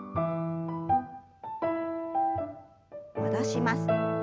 戻します。